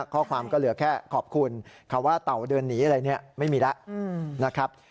ข้อความก็เหลือแค่ขอบคุณคำว่าเต่าเดินหนีอะไรเนี่ยไม่มีแล้วนะครับ